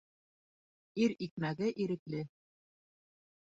Ир икмәге ирекле